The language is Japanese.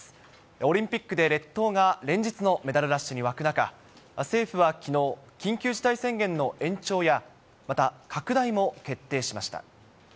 オリンピックで列島が連日のメダルラッシュに沸く中、政府はきのう、緊急事態宣言の延長や、また拡大も決定しました。